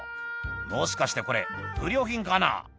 「もしかしてこれ不良品かな？」